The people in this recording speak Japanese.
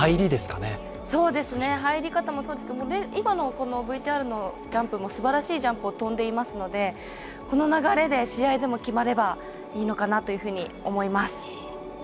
入り方もそうですけど、今のＶＴＲのジャンプもすばらしいジャンプを跳んでいますので、この流れで試合でも決まればいいのかなと思います。